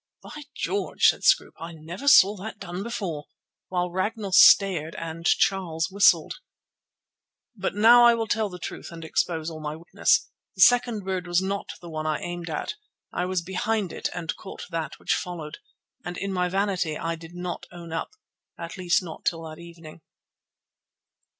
"By George!" said Scroope, "I never saw that done before," while Ragnall stared and Charles whistled. But now I will tell the truth and expose all my weakness. The second bird was not the one I aimed at. I was behind it and caught that which followed. And in my vanity I did not own up, at least not till that evening.